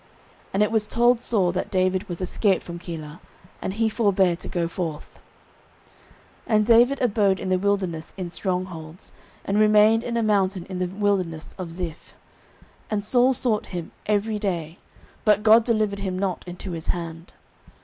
And it was told Saul that David was escaped from Keilah; and he forbare to go forth. 09:023:014 And David abode in the wilderness in strong holds, and remained in a mountain in the wilderness of Ziph. And Saul sought him every day, but God delivered him not into his hand.